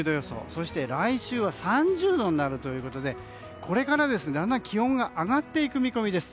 そして来週は３０度になるということでこれからだんだん気温が上がっていく見込みです。